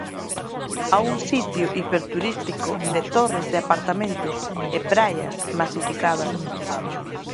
A un sitio hiperturístico de torres de apartamentos e praias masificadas.